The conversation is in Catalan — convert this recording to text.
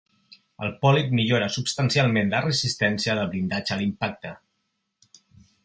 El polit millora substancialment la resistència del blindatge a l'impacte.